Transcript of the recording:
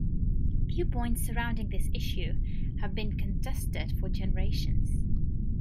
Viewpoints surrounding this issue have been contested for generations.